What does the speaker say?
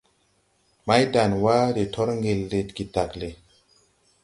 Maydanwa de tɔr ŋgel de getagle.